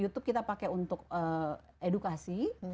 youtube kita pakai untuk edukasi